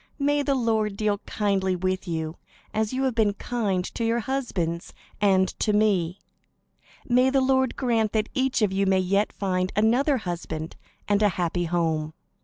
May the Lord deal kindly with you, as you have been kind to your husbands and to me. May the Lord grant that each of you may yet find another husband and a happy home."